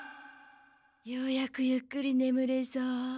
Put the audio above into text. ようやくゆっくりねむれそう。